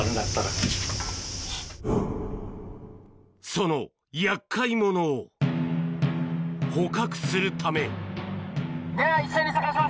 その厄介者を捕獲するためでは。